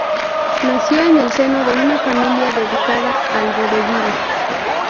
Nació en el seno de una familia dedicada al vodevil.